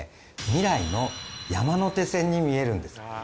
未来の山手線に見えるんです。